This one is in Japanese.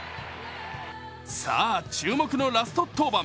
さあ、注目のラスト登板